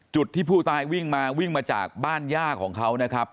จุดที่ผู้ตายวิ่งมาวิ่งมาจากบ้านย่าของเขานะครับ